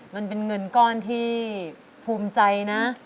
มันเป็นเงินก้อนที่ภูมิใจนะ